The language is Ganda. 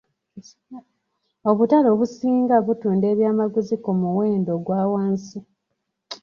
Obutale obusinga butunda ebyamaguzi ku muwendo ogwa wansi.